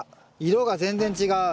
色が全然違う。